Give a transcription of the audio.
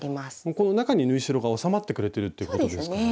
この中に縫い代が収まってくれてるっていうことですからね。